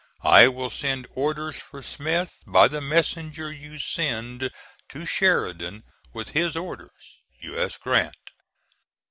I will send orders for Smith by the messenger you send to Sheridan with his orders. U. S. GRANT.